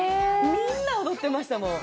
みんな踊ってましたもう。